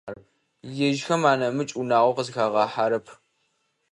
Ежьхэм анэмыкӏ унагъо къызхагъахьэрэп.